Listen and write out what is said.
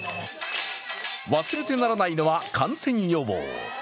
忘れてならないのは感染予防。